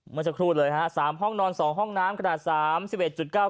มันจะคลูดเลยฮะ๓ห้องนอน๒ห้องน้ำขนาด๓